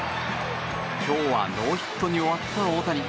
今日はノーヒットに終わった大谷。